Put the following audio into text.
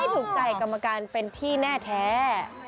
ถูกใจกรรมการเป็นที่แน่แท้